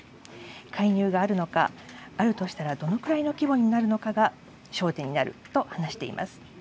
介入があるのか、あるとしたら、どのくらいの規模になるのかが焦点になると話しています。